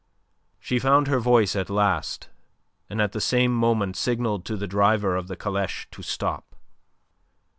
She found her voice at last, and at the same moment signalled to the driver of the caleche to stop.